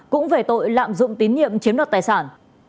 cũng về tội lạm dụng tín nhiệm chiếm đoạt tài sản